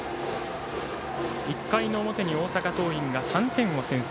１回の表に大阪桐蔭が３点先制。